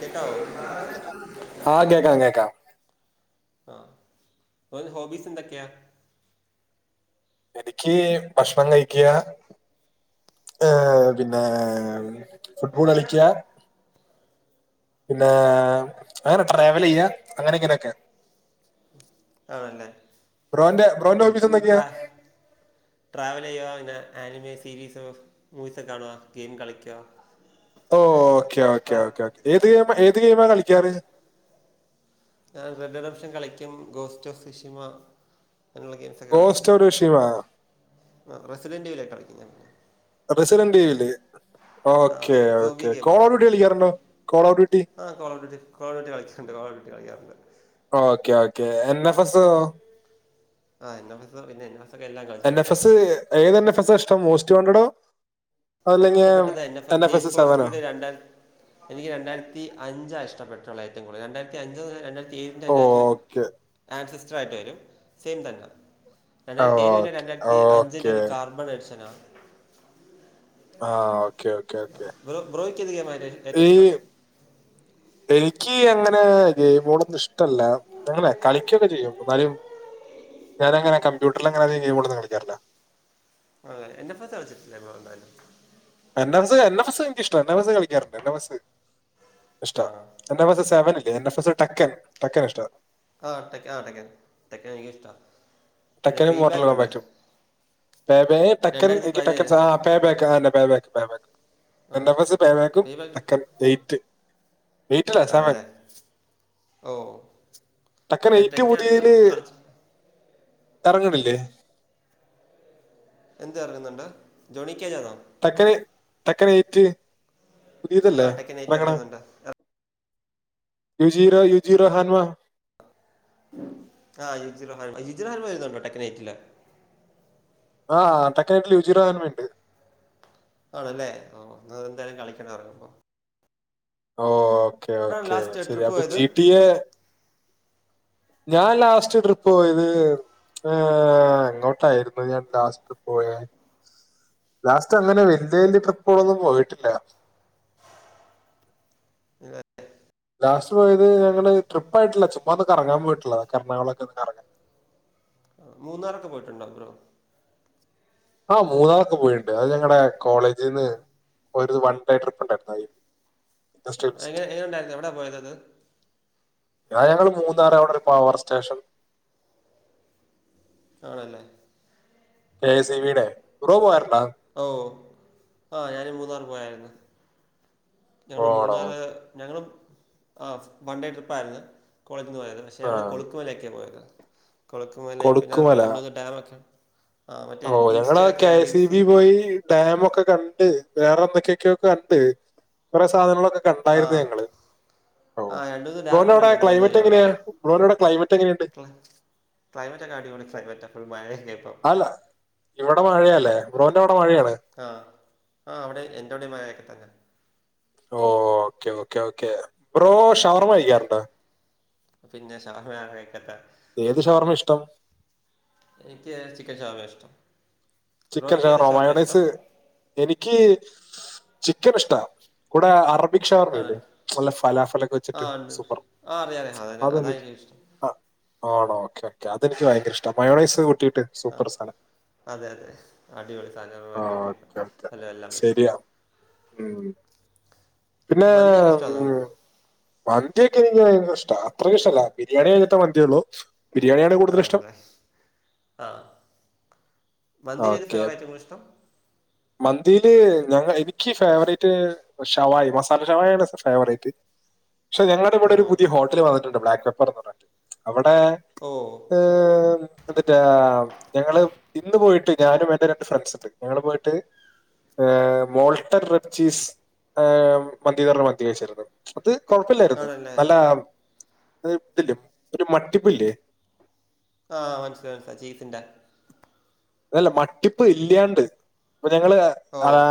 കേക്കാവോ ആഹ് കേക്കാം കേക്കാം. ആഹ് ഓന് ഹോബീസെന്തൊക്കെയാ. എനിക്ക് ഭക്ഷണം കഴിക്കയാ ഏഹ് പിന്നെ ഫുട്ബോൾ കളിക്ക. പിന്നെ അങ്ങനെ ട്രാവലെയ്യ അങ്ങനെ ഇങ്ങനൊക്കെ. ആണല്ലേ ബ്രോന്റെ ബ്രോന്റെ ഹോബീസ് എനിക്കും എന്തൊക്കെയാ ട്രാ ട്രാവലെയ്യ അങ്ങനെ ആനിമേ സീരീസ് മൂവീസൊക്കെ കാണുക ഗെയിം കളിക്കുക ഓ ഓക്കെ ഓക്കെ ട്രാ ഓക്കെ ഏത് ഗെയിമാ ഏത് ഗെയിമാ കളിക്കാറ് ഞാൻ റെഡ്ഡർഷൻ കളിക്കും ഗോസ്റ്റ് ഓഫ് ഫിഷിമ അങ്ങനുള്ള ഗെയിം സക്കെ കളിക്കും ഗോസ്റ്റ് ഓഫ് ഋഷിമ ആഹ് റെസിഡന്റെലെക്കെ കളിക്കും ഞാൻ പിന്നെ റെസിഡന്റ്ഈവില് ആ ഓക്കെ സോംബി ഓക്കെ ഗെയിമാ കോൾ ഓഫ് ഡ്യൂട്ടി കളിക്കാറുണ്ടോ കോൾ ഓഫ് ഡ്യൂട്ടി ആ കോളോട്ടി കോഴോട്ടി കളിക്കാറണ്ട് കോഴോട്ടി കളിക്കാറുണ്ട് ഓക്കേ ഓക്കേ എൻ എഫസോ ആ എന്നഫസോ പിന്നെ എന്നഫസ്ക്കെ എല്ലാം കളിച്ചിട്ടുണ്ട് ഏതന്നെഫെസാ ഇഷ്ടം മോസ്റ്റ് വാണ്ടഡോ അതല്ലെങ്കിൽ ട്ടപ്പെട്ടത് NF N F need S for സെവനോ സ്പീഡ് രണ്ടാൻ എനിക്ക് രണ്ടായിരത്തി അഞ്ചാ ഇഷ്ടപ്പെട്ടുള്ളത് ഏറ്റവും കൂടുതൽ രണ്ടായിരത്തി അഞ്ച് രണ്ടായിരത്തി ഓക്കെ [unintelligible] ആൻസിസ്റ്റർ ആയിട്ട് വരും സെയിം തന്നെ രണ്ടായിരത്തി ഏഴ് കഴിഞ്ഞ ഓക്കെ രണ്ടായിരത്തി അഞ്ചിന്റെ ഓക്കെ ഒരു കാർബൺ എഡിഷനാ ആഹ് ഓക്കേ ഓക്കേ ഓക്കേ ബ്രോ ബ്രോയ്ക്കെത് ഗെയിമാ ഏറ്റോം ഇഷ്ടം എനിക്ക് അങ്ങനെ ഗെയിമോളൊന്ന് ഇഷ്ടല്ല അങ്ങനെ കളിക്കോക്കെ ചെയ്യും ന്നാലും ഞാനങ്ങനെ കമ്പ്യൂട്ടറിൽ അങ്ങനധികം ഗെയികളൊന്നും കളിക്കാറില്ല അതെ എൻ എഫ എസ് കളിച്ചിട്ടില്ലേ ബ്രോ എന്തായാലും N F S N F S എനിക്കിഷ്ടാ എൻ എഫ് എസ് കളിക്കാറുണ്ട് എൻ എഫ എസ് ഇഷ്ടാ ആ എൻ എഫ്സ് സെവൻല്ലേ എൻ എഫ്സ് ടക്കൻ ടക്കൻഷ്ട ആ്ട്ടയ്ക്ക ആ ടക്കൻ എനിക്ക് ഇഷ്ടമാ പിന്നെ ടെക്കനും മോട്ടൽ പേബാക്ക് ഉണ്ട് കോമ്പാക്റ്റും പേ ബെ ടക്കൻ രണ്ടായിരത്തി എനിക്ക് പതിനേഴ് ടക്കൻസ് ആഹ് പേ ബാക്ക് അതന്നെ ആഹ് pay back pay back N ആ ഫ സ് പേ ബാക്കും തെക്കൻ എയ്റ്റ് എയ്റ്റ് അല്ല സെവൻ ആണല്ലേ ഓ ടെക്കൻ ഞാൻ എയ്റ്റ് തെക്കെ അധികം കളിച്ച കറങ്നില്ലെ എന്ത് ഇറങ്ങുന്നുണ്ട് ജോണിക്കേജാണോ തക്കന് തക്കന് ഏയിറ്റ് ആ പുതിയതല്ലേ ടെക്കൻ എയ്റ്റ് എറങ്ങണ ഇറങ്ങുന്നുണ്ട് യു ജീറോ യു ജീറോ ഹാന്വവാ ആ യ യുജി ആ യുജി വരുന്നുണ്ടോ തെക്കൻ എയിട്ടില് ആഹ് തൊക്കനട്ട യുജിറ എന് വി ണ്ട് ആണല്ലേ ഓ നി എന്തായാലും കളിക്കണ എറങ്ങുമ്പോ ഓ ഓക്കേ എവിടെയാണ് ഓക്കേ ഒകെ ലാസ്റ്റ് ശരി ട്രിപ്പ് അപ്പൊ പോയത് ജി ട്ടി എ ഞാൻ ലാസ്റ്റ് ട്രിപ്പ് പോയത് ഏഹ് എങ്ങോട്ടായിരുന്നു ഞാൻ ലാസ്റ്റ് പോയെ ലാസ്റ്റ് അങ്ങനെ വല്യ വല്യ ട്രിപ്പ്പോളൊന്നും പോയിട്ടില്ല [unintelligible] ലാസ്റ്റ് പോയത് ഞങ്ങള് ട്രിപ്പായിട്ടല്ല ചുമ്മാ ഒന്ന് കറങ്ങാൻ പോയിട്ടുള്ളത കറണാകുളൊക്ക ഒന്ന് കറങ്ങൻ ആ മൂന്നാറൊക്കെ പോയിട്ടുണ്ടോ ബ്രോ ആഹ് മൂന്നാറൊക്കെ പോയിണ്ട് അത് ഞങ്ങളടെ കോളേജിന്ന് ഒരു വൺ ഡേ ട്രിപ്പ് ഉണ്ടായിരുന്ന അയിന് എ ഉണ്ടായിരുന്നു എവിടെ പോയതത് ആ ഞങ്ങള് മൂന്നാറവിടെ ഒരു പവർ സ്റ്റേഷൻ ആണല്ലേ കെ എ സ ഇ വിടെ ബ്രോ പോയറു ണ്ടോ ഓ ആഹ് ഞാനും മൂന്നാർ പോയായിരുന്നു ഞങ്ങള് പോണോ മൂന്നാല് ഞങ്ങളും ആഹ് വൺ ഡേ ട്രിപ്പായിരുന്നു കോളേജിൽ നിന്ന് പോയത് ക്ഷേ ഞങ്ങൾ ആഹ് കൊളുക്കുമല ഒക്കെയാണ് പോയത് കൊളുക്കുമല പിന്നെ കൊടുക്കുമല രണ്ട മൂന്ന് ഡാമൊക്കെ ആ ഓ മറ്റേ ഞങ്ങള് ഇൻസ്റ്റയിലൊക്കെ കെസ് ഇ ബി റീൽസ് പോയി ഡാം ഒക്കെ കണ്ട് വേറെ എന്തൊക്കെയൊക്കെയൊക്കെ കണ്ട് കുറെേ സാധനങ്ങളൊക്കെ കണ്ടായിരുന്നു ആഹ് ഞങ്ങള് ഓ ആഹ് രണ്ട് മൂന്ന് ഡാം ബ്രോന്റെ അവിടെ ഉണ്ടല്ലോ പോകുന്ന വഴി ക്ലൈമറ്റ് അവിടെ എങ്ങനെയാ ബ്രോന്റെ അവിടെ ക്ലൈമറ്റ് എങ്ങനെയണ്ട് ക്ലൈ ക്ലൈമറ്റ് ഒക്കെ അടിപൊളി ക്ലൈമറ്റ ഫുൾ മഴയൊക്കെ ഇപ്പം അല്ല ഇവിടെ മഴയല്ലേ ബ്രോന്റെ അവിടെ മഴയാണ് ആഹ് ആ അവിടെ എൻ്റെ അവിടെ മഴയൊക്കെ തന്നെ ഓ okay okay okay bro shawarma കഴിക്കാറുണ്ടോ പിന്നെ ഷവർമ ആരാ കഴിക്കാത്തെ ഏത് ഷവർമേ ഇഷ്ടം എനിക്ക് ചിക്കൻ ഷവർമേ ഇഷ്ടം ചിക്കൻ ബ്രോയ്ക്ക് ഏത് ഷവർമ ഷവർമയാ ഇഷ്ടം മയോണൈസ് എനിക്ക് ചിക്കൻ ഇഷ്ട വടെ അ [unintelligible] ആണ് ഷവർമ്മയില്ലേ നല്ല ഫലാഫിലൊക്കെ വെച്ചിട്ട് ആഹ് ഉണ്ട് സൂപ്പർ ആഹ് അറിയാം അറിയാം അതന്നെ അത് അതാ എനിക്ക് എനിക്കും ഇഷ്ടം ആ ആണോ ഓക്കേ ഓക്കെ അതെനിക്ക് ഭയങ്കര ഇഷ്ട മയോണൈസ് കുട്ടീയിട്ട് ആഹ് അതെ അതെ അടിപൊളി സാധാന ആ കെട്ടിയിട്ടും ഓക്കെ ഓക്കെ എല്ല എല്ലാം വെച്ച് ശരിയാ ഉം. പിന്നെ മന്തിയൊക്കെ ഇഷ്ടമാണോ ഉം മന്തിയൊക്കെ എനിക്ക് ഭയങ്കര ഇഷ്ടാ അത്രയും ഇഷ്ടല്ല ബിരിയാണി കയിഞ്ഞിടട്ടെ മന്തിയൊള്ളു ആ [unintelligible] ആ മന്തി ഫേവറായിട്ടുല്ല ഇഷ്ടം മന്തീല് ഞ എനിക്ക് ഫേവറേറ്റ് ശവായ മസാല ശവായ ആണ് ന്റെ ഫേവറൈറ്റ് പക്ഷെ ഞങ്ങളുടെ ഇവിടെ ഒരു ആണോ പുതിയ ഹോട്ടല് വന്നിട്ടുണ്ട് ബ്ലാക്ക് പെപ്പർ എന്ന് പറഞ്ഞിട്ട് അവിടെ ഓഹ് ഉം എന്തുട്ടാ ഞങ്ങള് ഇന്ന് പോയിട്ട് ഞാനും എന്റെ രണ്ട് ഫ്രണ്ട്സ്ണ്ട് ഞങ്ങള് പോയി [unintelligible] ഉം മോൾട്ടർ റെഡ്ച്ചീസ് ഉം മന്തിന്ന് പറഞ്ഞ മന്തി കഴിച്ചിരുന്നു അത് കൊഴപ്പില്ലായിരുന്നു ആണല്ലേ നല്ല ഇതില് ഒരു മട്ടിപ്പില്ലേ ആഹ് മനസ്സിലായി മനസ്സിലായി ചീസിന്റെ അതല്ല മട്ടിപ്പ് ഇല്ലാണ്ട് ഇപ്പൊ ഞങ്ങള് ഓ ആഹ്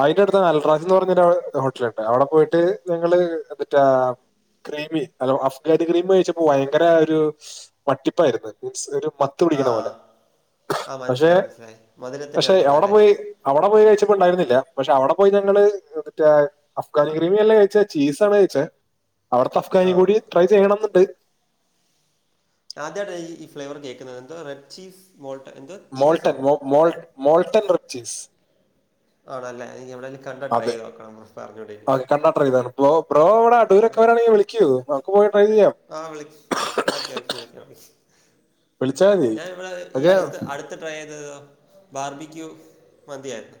അയിന്റെ അടുത്ത് നൽറാജ് എന്ന് പറഞ്ഞൊരു ഹോട്ടലുണ്ട് അവിടെ പോയിട്ട് ഞങ്ങള് എന്തുട്ടാ ക്രീമി അല്ല അഫ്ഗാഡ് ക്രീമ കഴിച്ചപ്പോ ഭയങ്കര ഒരു മട്ടിപ്പായിരുന്നു മീൻസ് ഒരു ആ മത്ത്പിടിക്കണ പോലെ ആ പക്ഷെ മനസ്സിലായി മനസ്സിലായി മധുരത്തിൻ്റെ പക്ഷെ ആണെന്ന് അവിടെ തോന്നുന്നല്ലേ പോയി അവിടെ പോയി കഴിച്ചപ്പോ ഉണ്ടായിരുന്നില്ല പക്ഷെ അവിടെ പോയി ഞങ്ങള് യെന്തുട്ടാ അഫ്ഗാനി ക്രീമിയെല്ല കഴിച്ചേ ചീസാണ് കഴിചേ അവിടുത്തെ ആ അഫ്ഗാനി കൂടി ട്രൈ ചെയ്യണമെന്നുണ്ട് ആദ്യയിട്ടാ ഈ ഫ്ലേവർ കേൾക്കുന്നത് എന്തോ റെഡ് ചീസ് മോൾട്ട് എന്തുവാ മോൾട്ടൻ മോ മോൾ മോൾട്ടൻ റിബ്ചീസ് ആണല്ല നീ എവിടെലും കണ്ട ട്രൈ് അതെ ചെയ്‌തു നോക്കണം ഓക്കെ [unintelligible] കണ്ടാ ട്രൈതാണ് ബ്രോ ബ്രോ വിടെ അടൂരൊക്കെ വരാണെങ്കിൽ വിളിക്കു നമക്ക് പോയി ട്രൈ ചെയ്യാം ആഹ് വിളി ഓക്കെ ഓക്കെ വിളിക്ക വിളിച്ചാൽ മതി ഞാൻ ഇവിടെ ഈ ഓക്കെ അടുത്ത് അടു ട്രൈ ചെയ്തത് ബാർബിക്യൂ മന്തിയയിരുന്നു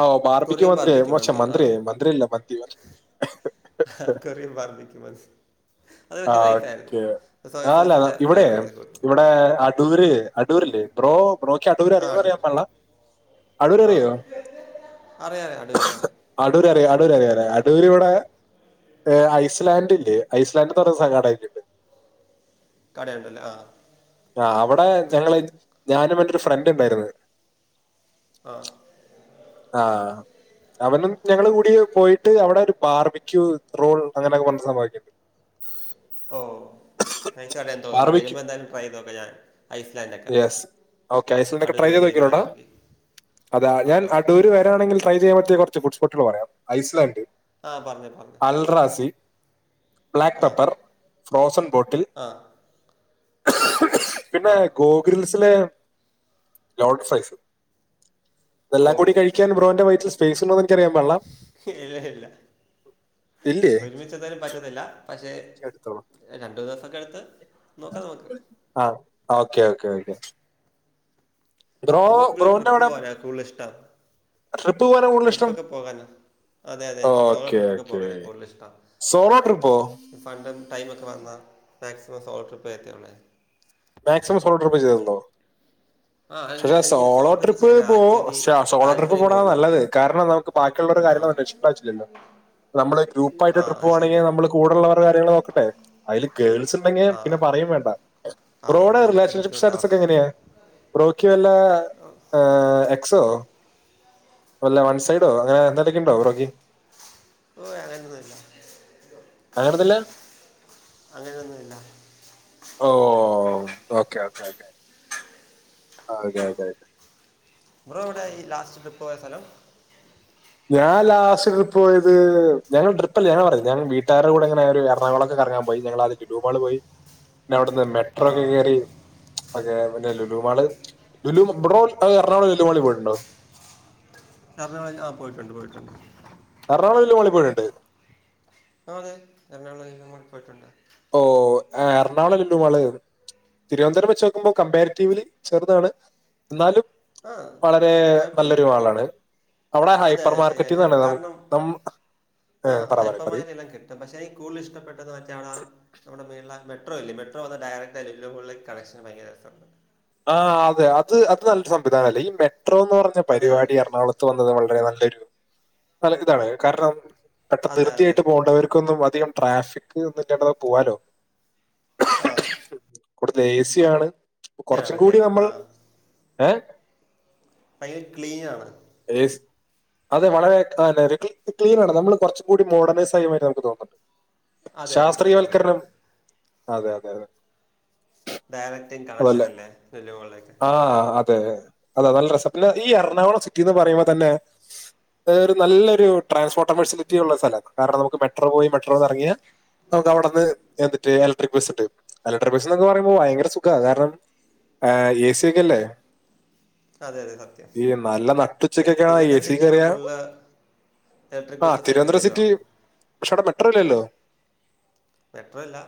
ആഹ് ഓ ബാർബിക്കയു മന്ത്രി ഓ ശേ മന്തി ആ മന്ത്രി ആയ മന്ത്രി അല്ല മന്തി [unintelligible] പക്ഷേ ആഹ് നൈസായിരുന്നു ഓക്കെ സോയ ആല്ല സോസിൻ്റെ ഇവിടെ ഫ്ലേവർ ആയിരുന്നു കൂട്ടും ഇവിടെ അട അടൂര് അടൂര്ല്ലേ ബ്രോ ബ്രോക്ക് അടൂര് ആ അറിയോന്ന് ഉണ്ട് അറിയാൻ പാടില്ല അടൂര് ആ അറിയോ അറിയാം അറിയാം അടൂരൊക്കെ അറിയാം അടൂര്റിയ അടൂര് അറിയാം അടൂർ ഇവിടെ ഐസ്ലാൻഡ്ല്ലേ ഐസ് [unintelligible] സാടായിരിക്കും [unintelligible] ആഹ് ആഹ് അവിടെ ഞങ്ങള് ഞാനും എന്റൊരു ഫ്രണ്ട് ഉണ്ടായിന്ന് ആഹ് ആഹ് അവനും ഞങ്ങളും കൂടി പോയിട്ട് അവിടെ ഒരു ബാർബിക്യു റോൾ അങ്ങനെയൊക്ക പറഞ്ഞ സംഭവാക്കി ഓഹ് നൈസാല്ലേ തോന്നുന്നു ഇനി ബാർബിക്യൂ വരുമ്പോ എന്തായാലും ട്രൈയ്ത് നോക്കാ ഞാൻ ഐസ്ലാൻഡേ യെസ് ഓക്കെ ഐസ്ലാൻടൊക്കെ ട്രൈ ചെയ്ത് നോക്കീലേടാ വരുവാന്ന് നോക്കി അതാ ഞാൻ ഓക്കെ ഓക്കെ അടൂര് വരാണെങ്കിൽ ട്രൈ ചെയ്യാൻ പറ്റിയ കൊറച്ച് ഫുഡ്സ്പോട്ടുകള് പറയാം ഐസ്ലാൻഡ് ആഹ് പറഞ്ഞ് പറഞ്ഞ് അൽറാസി ബ്ലാക്ക് പെപ്പർ ഫ്രോസൺ ബോട്ടിൽ ആ ആ പിന്നെ ഗോഗ്രിൽസിലെ ലോഡട് ഫ്രൈസ് ഓ ഇതെല്ലാം കൂടി കഴി ക്കാൻ ബ്രോന്റെ വയറ്റിൽ സ്പേസ് ഉണ്ടോൊന്ന് എനിക്ക് അറിയാൻ പാടില്ല ഇല്ല ഇല്ലേ? ച്ച് എന്തായാലും പറ്റത്തില്ല പക്ഷെ എടുത്തോളാം രണ്ടു ദിവസൊക്കെ എടുത്ത് നോക്കാം നമുക്ക് ആഹ് ഓക്കേ ഓക്കേ ഓക്കെ ബ്രോ എനിക്ക് കൂലും ബ്രോന്റെ ട്രിപ്പ് അവിടെ പോവാന കൂടുതൽ ഇഷ്ടം ട്രിപ്പ് പോകാനാണ് കൂടുതൽ ഇഷ്ടം ട്രിപ്പൊക്ക പോകാന അതെ അതെ എനിക്ക് സോളോ ഓക്കെ ട്രിപ്പൊക്കെ ഓക്കെ പോകാനാ കൂടുതൽ ഇഷ്ടം സോളോ ട്രിപ്പോ ഫണ്ടും ടൈമൊക്കെ വന്നാ മാക്സിമം സോളോ ട്രിപ്പേ എത്തിയൊള്ളേ മാക്സിമം സോളോ ട്രിപ്പേ ചെയ്യ്തുള്ളോ? ആ എനിക്ക് ക്ഷേ എനിക്ക് സോളോ ട്രിപ്പ് ചെയ്യാൻ പോ ആക്ച്വലി ക്ഷേ സോളോ ട്രിപ്പ് താല്പര്യം പോണതാ കൂടുതൽ നല്ലത് കാരണം നമുക്ക് ബാക്കിയുള്ളോട ആ കാര്യങ്ങള് അ ആവശ്യല്ലല്ലോ നമ്മള് ഗ്രൂപ്പായിട്ട് ആ ട്രിപ്പ്‌ അത് പോവാണെങ്കി ശരിയാ നമ്മള് കൂടുള്ളവര കാര്യങ്ങള് നോക്കണ്ടേ? അയില് ഗേൾസുണ്ടെങ്കി ആ പിന്നെ പറയേം വേണ്ട അത് ബ്രോഡെ പിന്നെ വലിച്ച് റിലേഷൻഷിപ്പ് ബുദ്ധിമുട്ടാവും സ്റ്റാറ്റസൊക്കെ എങ്ങനെയാ ബ്രോക്ക് വല്ലാ ആഹ് അ സോ അല്ല വൺ സൈഡോ അങ്ങനെ എന്തേലൊക്കെണ്ടോ ബ്രോക്ക് ഓ അങ്ങനൊന്നുമില്ല അങ്ങനൊന്നുല്ല അങ്ങനെയൊന്നുല്ല ഓ ഓക്കേ ഓക്കേ ഓക്കേ അതെ അതെ അതെ ബ്രോ എവിടെയാ ഈ ലാസ്റ്റ് ട്രിപ്പ് പോയ സ്ഥലം? ഞാൻ ലാസ്റ്റ് ട്രിപ്പ് പോയത് ഞങ്ങൾ ട്രിപ്പല്ല ഞങ്ങള് പറ ഞാൻ വീട്ടാരൂടങ്ങനെ ഒരു എറണാകുളോക്കെ കറങ്ങാൻ പോും പോയി ഞങ്ങലാദ്യം ലുലു മാള് പോയി പിന്നെ അവിടുന്ന് ആ മെട്രോക്കെ കേറി ഓക്കേ പിന്നെ ലുലു മാള് ലുലു ബ്രോ ആഹ് എറണാകുളം ലുലുമാളി പോയിട്ടുണ്ടോ? അത് ആഹ് പോയിട്ടുണ്ട് പോയിട്ടുണ്ട് എർണാകുളം ലുലുമാളിപ്പോയിണ്ട് ആ അതെ എറണാകുളം ലുലുമാളിൽ പോയിട്ടുണ്ട്. ഓ എർണാകുളം ലുലു മാള് തിരുവന്തപുരം വച്ച് നോക്കുമ്പോ കമ്പാരിറ്റീവ്ലി ചെറുതാണ് എന്നാലും ആ വളരെ കുഴപ്പമില്ല നല്ലൊരു മാളാണ് അവിടെ അതെ ഹൈപ്പർ അതെ ശരി എനിക്ക് മാർക്കറ്റീന്നാണ് ന കാരണം നമ്മ് ഏഹ് പറ പറ പറയൂ ട്ട പക്ഷെ കൂടുതല് ഇഷ്ടപ്പെട്ടത് വച്ചാ അവിടാ അവിട മേളിലാ മെട്രോയില്ല മെട്രോ വന്ന് ഡയറക്ടാ ലുലു മാളില് കണക്ഷൻ ഭയങ്കര രസണ്ട് ആഹ് അതെ അത് അത് നല്ലൊരു സംവിധാനല്ലേ ഈ മെട്രോന്ന് പറഞ്ഞ അതെ പരിപാടി അതെ എറണാകുള ത്ത് വന്നത് വളരെ നല്ലൊരു നല്ലെ ഇതാണ് കാരണം പെട്ട അതെ അതെ ധൃതിയായിട്ട് പോകേണ്ടവര് ക്കൊന്നും അധികം ട്രാഫിക് ഒന്നും ഇല്ലാണ്ട് പോവാലോ ആഹ് ഇവിടുത്ത ഏ സിയാണ് അപ്പ കൊറച്ചും ആണല്ലേ കൂടി നമ്മൾ ആ ഏഹ് ഹൈ ക്ലീനാണ് ഏസ് അതെ വളരെ ആഹ് ല്ലേ ലേക്കിൾ ക്ലീനാണ് നമ്മള് കൊറച്ച് കൂടി മോഡണൈസായ മാതിരി നമുക്ക് തോന്നും അതെ അതെ സത്യം ശാസ്ത്രീയവൽക്കരണം സത്യം അതെ അതെ അതെ ഡയറക്ട് കണക്ഷനല്ലേ ലുലുമാളിലേക്ക് ആഹ് അതെ അതാ നല്ല രസാ പിന്നെ ഈ എറണാകുളം സിറ്റീന്ന് പറയുമ്പോ തന്നെ ഒരു നല്ലൊരു ട്രാസ്പോർട്ട ഫെസിലിറ്റി ഉള്ള സ്ഥലമാണ് കാരണം നമുക്ക് മെട്രോ പോയി മെട്രോ ന്നറങ്ങിയാൽ നമുക്ക് അവിടെന്ന് എന്നിട്ട് ഇലക്ട്രിക് ബസ്സ് ഉണ്ട് ഇലക്ട്രിക് ബസ്സ് എന്നൊക്കെ പറയ്മ്പോ ഭയങ്കര സുഖാ കാരണം ആഹ് എസി ഒക്കെ ഇല്ലേ അതെ അതെ സത്യം നല്ല ഇ നട്ടുച്ചയ്ക്കൊക്കെയാണ് എ തിരുവനന്തപുരം സി സിറ്റി കയറിയ ഫുള്ള് ഇലക്ട്രിക് ബസ്സസാക്കി വരോ പക്ഷേ അവിടെ മെട്രോയില്ലല്ലോ മെട്രോ ഇല്ല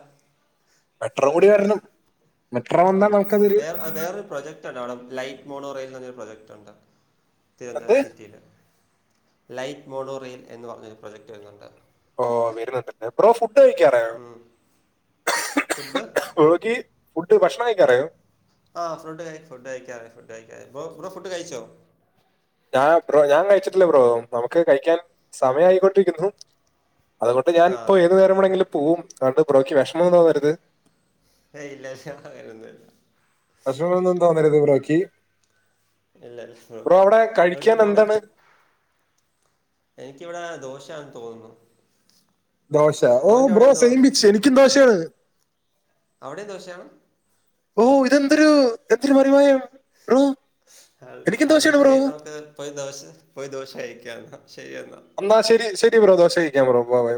മെട്രോ കൂടി ശ് വരണം മെട്രോ വന്നാൽ ഉം നമുക്കതൊരു വേറെ വേറൊരു പ്രൊജെക്ട്റ്റ് [unintelligible] ലൈറ്റ് മോണോ റെയിൽ എ ന്നൊരു പ്രൊജക്ട് ഉണ്ട് എന്താ തിരുവനന്തപുരം സിറ്റിയില് ലൈറ്റ് മോണോ റെയിൽ എന്ന് പറഞ്ഞൊരു പ്രൊജക്റ്റ് വരുന്നുണ്ട് ഓ വരുന്നുണ്ടല്ലേ ബ്രോ ഫുഡ് കഴിക്കാറായോ ഉം. ഫുഡ് ഹോഗി ഫുഡ് ഭക്ഷണം കഴിക്കാറായോ ആ ഫുഡ് ഫുഡ് കഴിക്കാറായി ഫുഡ് കഴി ക്കാറായി ബ്രോ ഫുഡ് കഴിച്ചോ ഞാൻ ഞാൻ കഴിച്ചിട്ടില്ല ബ്രോ നമുക്ക് കഴിക്കാൻ സമയം ആയിക്കൊണ്ടിരിക്കുന്നു അതുകൊണ്ട് ഞാൻ ആ ഇപ്പോ ഏതു നേരം വേണെങ്കിലും പോവും അത്ക്കൊണ്ട് ബ്രോയ്ക്ക് വെഷ്മം ഒന്നും തോന്നരുത് ഏയ് ഇല്ല [unintelligible] വെഷമൊന്നും തോന്നരുത് ബ്രോക്ക് ഇല്ല ബ്രോ അവിടെ ബ്രോക്ക് കഴിക്കാൻ പോണക്ക്‌ എന്താണ് എനിക്കിവിടെ ദോശയാണ് തോന്നുന്നു ദോശ ഓ ബ്രോയിൻ്റെ അവിടെ ബ്രോ എന്തുവാ സൈം ബിച്ച് എനിക്കും ഉം ദോശയാണ് അവിടെയും ദോശയാണ് ഓഹ ഇതെന്തൊരു എന്തൊരു മറിമായം ബ്രോ എനിക്കും അ ന്ന് ദോശയാണ് ബ്രോ ശരി നമുക്ക് പോയി ദോശ പോയി ദോശ കഴിക്കാം ശരി എന്നാ എന്നാ ശരി ശരി ബ്രോ ദോശ കഴിക്കാൻ ബ്രോ ബ